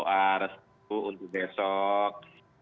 saya berharap untuk besok